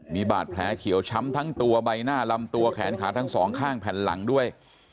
มีบาดแผลเขียวช้ำทั้งตัวใบหน้าลำตัวแขนขาทั้งสองข้างแผ่นหลังด้วย